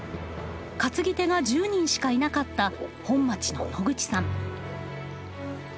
担ぎ手が１０人しかいなかった本町の野口さん。